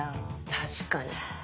確かに。